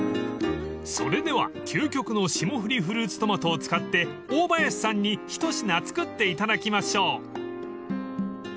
［それでは究極の霜降りフルーツトマトを使って大林さんに一品作っていただきましょう］